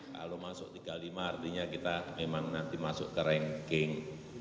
kalau masuk tiga puluh lima artinya kita memang nanti masuk ke ranking